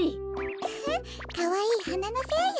ウフッかわいいはなのせいよ。